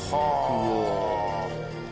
うわ。